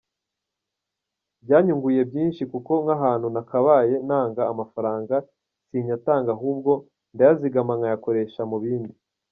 Byanyunguye byinshi kuko nk’ahantu nakabaye ntanga amafaranga, sinyatanga ahubwo ndayazigama nkayakoresha mu bindi.